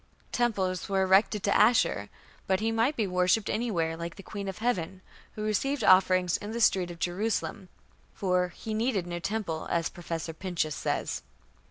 Temples were erected to Ashur, but he might be worshipped anywhere, like the Queen of Heaven, who received offerings in the streets of Jerusalem, for "he needed no temple", as Professor Pinches says.